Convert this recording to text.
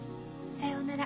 さようなら。